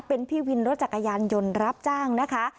เป็นพี่วินรถจักรยานยนต์รับจ้างนะคะ